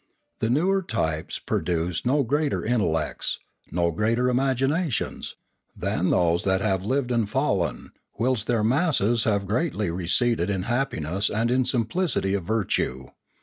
The newer types produce no greater intellects, no greater imaginations, than those that have lived and fallen, whilst their masses have greatly receded in happiness and in simplicity of virtue.